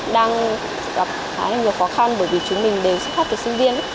đang gặp khá là nhiều khó khăn bởi vì chúng mình đều xuất phát từ sinh viên